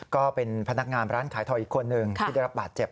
ก็เป็นพนักงานร้านขายทองอีกคนหนึ่งที่ได้รับบาดเจ็บ